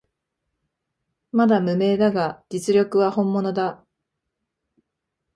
まだ無名だが実力は本物だ